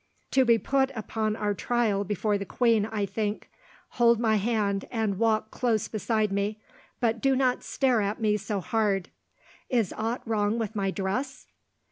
"To be put upon our trial before the queen, I think. Hold my hand and walk close beside me, but do not stare at me so hard. Is aught wrong with my dress?"